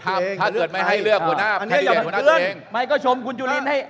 ครูจูรินก็คือจะใช้ความใจดีกว่า